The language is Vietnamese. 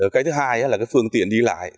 cái thứ hai là phương tiện đi lại